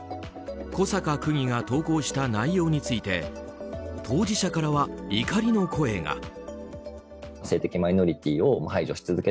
小坂区議が投稿した内容について当事者からは怒りの声が。